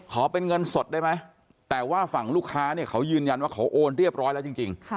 ขอเป็นเงินสดได้ไหมแต่ว่าฝั่งลูกค้าเนี่ยเขายืนยันว่าเขาโอนเรียบร้อยแล้วจริง